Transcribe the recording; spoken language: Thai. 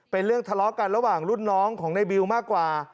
เป็นเรื่องทะเลาะกันระหว่างรุ่นน้องของในบิวมากกว่า